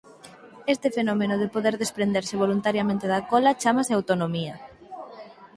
Este fenómeno de poder desprenderse voluntariamente da cola chámase "autotomía".